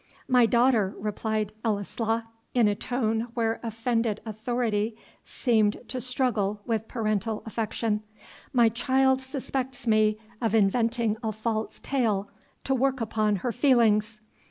"My daughter," replied Ellieslaw, in a tone where offended authority seemed to struggle with parental affection, "my child suspects me of inventing a false tale to work upon her feelings!